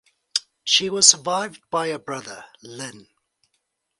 She was survived by a brother, Lynn.